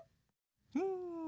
うん。